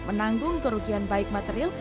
menanggung kerugian baik material